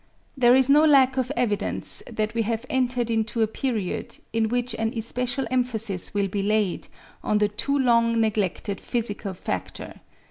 There is no lack of evidence that we have entered into a period in which an especial emphasis will be laid on the too long neglected psychical factor.